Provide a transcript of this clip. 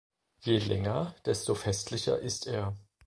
Je länger, desto festlicher ist er.